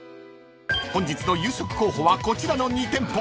［本日の夕食候補はこちらの２店舗］